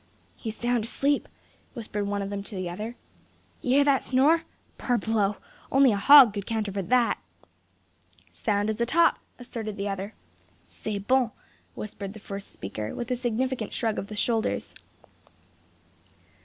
"He's sound asleep," whispered one of them to the other. "You hear that snore? Parbleu! only a hog could counterfeit that." "Sound as a top!" asserted the other. "C'est bon!" whispered the first speaker, with a significant shrug of the shoulders.